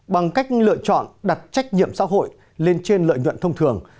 bằng cách lựa chọn đặt trách nhiệm xã hội lên trên lợi nhuận thông thường